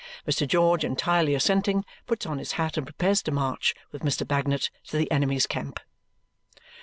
Mr. George, entirely assenting, puts on his hat and prepares to march with Mr. Bagnet to the enemy's camp.